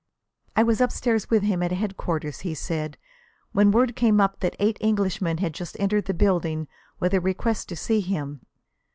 "I was upstairs with him at headquarters," he said, "when word came up that eight Englishmen had just entered the building with a request to see him.